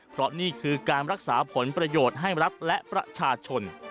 เพราะนี่คือการรักษาผลประโยชน์ให้รัฐและประชาชน